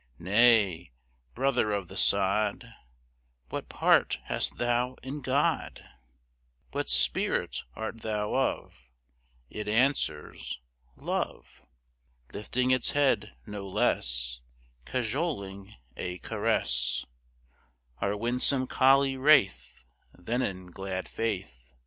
"Nay, brother of the sod, What part hast thou in God? What spirit art thou of?" It answers: "Love." Lifting its head, no less Cajoling a caress, Our winsome collie wraith, Than in glad faith.